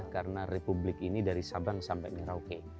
karena republik ini dari sabang sampai merauke